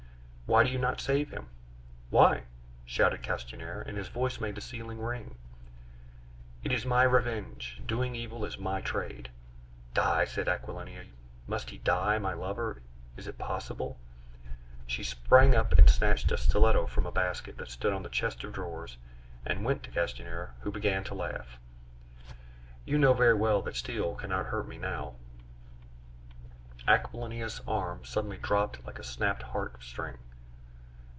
"Why do you not save him?" "Why?" shouted Castanier, and his voice made the ceiling ring. "Eh! it is my revenge! Doing evil is my trade!" "Die?" said Aquilina; "must he die, my lover? Is it possible?" She sprang up and snatched a stiletto from a basket that stood on the chest of drawers and went to Castanier, who began to laugh. "You know very well that steel cannot hurt me now " Aquilina's arm suddenly dropped like a snapped harp string.